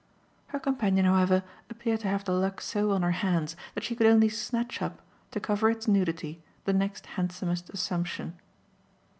Her companion, however, appeared to leave the luck so on her hands that she could only snatch up, to cover its nudity, the next handsomest assumption.